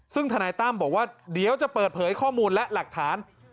ซึ่งธนายตั้มบอกว่าเดี๋ยวจะเปิดเผยข้อมูลและหลักฐาน